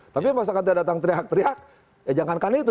tapi misalkan dia datang teriak teriak ya jangankan itu